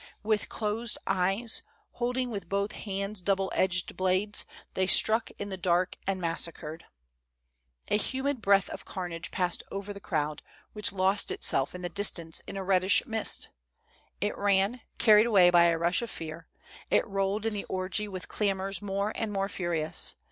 With closed eyes, holding with both hands double edged blades, they struck in the dark and massacred. " A humid breath of carnage passed over the crowd, which lost itself in the distance in a reddish mist. It ran, carried away by a rush of fear, it rolled in the orgie with clamors more and more furious.